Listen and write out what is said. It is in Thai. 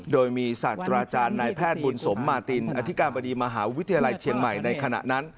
โดยมีศาสตราจารย์นายแพทย์บุญสมมาตินอธิการบดีมหาวิทยาลัยเชียงใหม่ในขณะนั้น